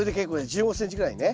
１５ｃｍぐらいね。